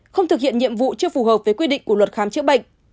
không thực hiện nhiệm vụ chưa phù hợp với quy định của luật khám chữa bệnh